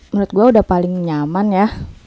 menurut gue udah paling nyaman ya